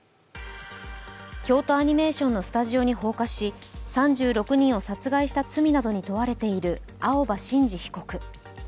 京都アニメーションのスタジオに放火し３６人を殺害した罪などに問われている青葉真司被告。